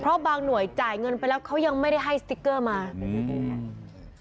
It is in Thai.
เพราะบางหน่วยจ่ายเงินไปแล้วเขายังไม่ได้ให้สติ๊กเกอร์มาอืม